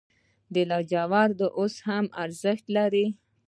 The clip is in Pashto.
آیا لاجورد اوس هم ارزښت لري؟